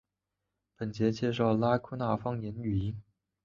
本节介绍拉祜纳方言语音。